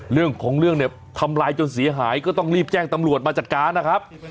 เรื่องของเรื่องเนี่ยทำลายจนเสียหายก็ต้องรีบแจ้งตำรวจมาจัดการนะครับ